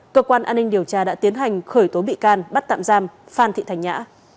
cơ quan an ninh điều tra đã tiến hành khởi tố bị can bắt tạm giam phan thị thành nhã